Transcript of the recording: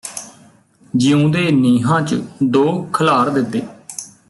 ਜਿਊਂਦੇ ਨੀਹਾਂ ਚ ਦੋ ਖਲ੍ਹਾਰ ਦਿਤੇ